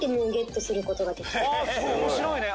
面白いね！